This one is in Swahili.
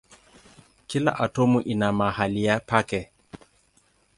Kila atomu ina mahali pake.